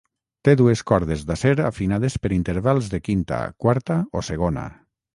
Té dues cordes d'acer afinades per intervals de quinta, quarta o segona.